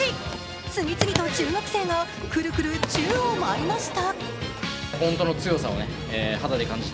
次々と中学生がクルクル宙を舞いました。